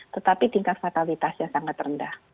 tetapi tingkat fatalitasnya sangat rendah